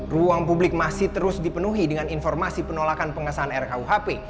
ruang publik masih terus dipenuhi dengan informasi penolakan pengesahan rkuhp